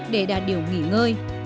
để đà điểu nghỉ ngơi